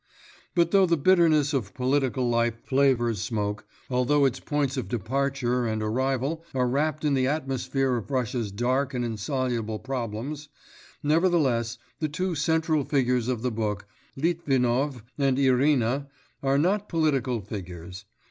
But though the bitterness of political life flavours Smoke, although its points of departure and arrival are wrapped in the atmosphere of Russia's dark and insoluble problems, nevertheless the two central figures of the book, Litvinov and Irina, are not political figures.